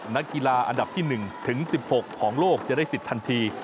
นักกีฬาอันดับที่๑ถึง๑๖ของโลกจะได้สิทธิ์ทันที